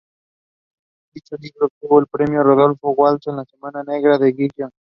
Dicho libro obtuvo el Premio Rodolfo Walsh en la Semana Negra de Gijón.